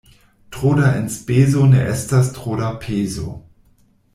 Tro da enspezo ne estas tro da pezo.